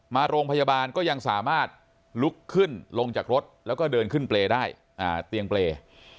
มาโรงพยาบาลก็ยังสามารถลุกขึ้นลงจากรถแล้วก็เดินขึ้นเปรย์ได้เตียงเปรย์